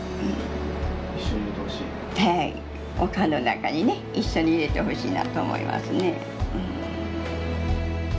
お棺の中にね一緒に入れてほしいなと思いますね。